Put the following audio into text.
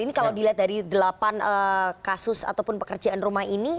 ini kalau dilihat dari delapan kasus ataupun pekerjaan rumah ini